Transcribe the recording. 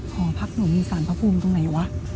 หอพักหนูมีสารพระภูมิตรงไหนวะ